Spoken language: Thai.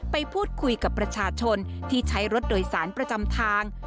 ไปพูดคุยกับประชาชนที่ใช้รถโดยสารประจำทาง